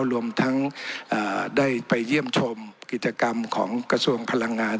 รวมทั้งได้ไปเยี่ยมชมกิจกรรมของกระทรวงพลังงาน